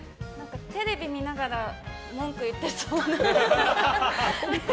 テレビを見ながら文句言ってそうな。